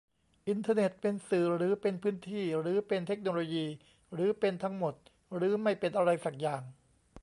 อินเทอร์เน็ตเป็นสื่อ หรือเป็นพื้นที่ หรือเป็นเทคโนโลยี หรือเป็นทั้งหมด หรือไม่เป็นอะไรสักอย่าง ?